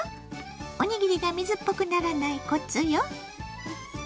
おにぎりが水っぽくならないコツよ。